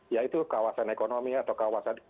yaitu kawasan ekonomi atau kawasan